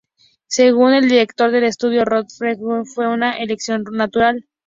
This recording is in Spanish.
Según el director del estudio, Rod Fergusson, "fue una elección natural.